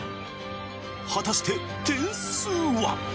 果たして点数は？